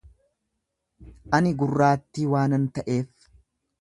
Ani gurraattii waanan ta'eef